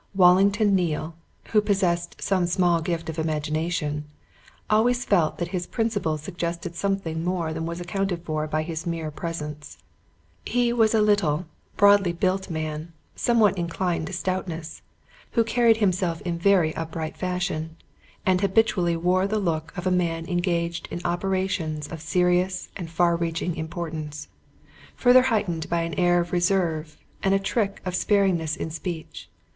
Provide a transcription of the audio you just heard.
Wallington Neale, who possessed some small gift of imagination, always felt that his principal suggested something more than was accounted for by his mere presence. He was a little, broadly built man, somewhat inclined to stoutness, who carried himself in very upright fashion, and habitually wore the look of a man engaged in operations of serious and far reaching importance, further heightened by an air of reserve and a trick of sparingness in speech.